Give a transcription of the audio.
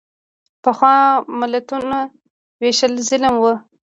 پخوا ملتونو وېشل ظلم و.